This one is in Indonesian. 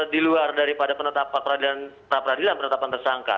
di luar daripada penetapan pra peradilan penetapan tersangka